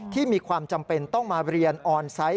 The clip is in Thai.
ที่มีความจำเป็นต้องมาเรียนออนไซต์